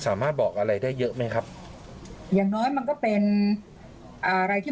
สามารถบอกอะไรได้เยอะไหมครับอย่างน้อยมันก็เป็นอ่าอะไรที่